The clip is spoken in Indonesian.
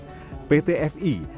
pt fi adalah aset utama perusahaan